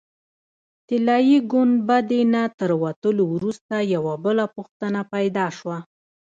طلایي ګنبدې نه تر وتلو وروسته یوه بله پوښتنه پیدا شوه.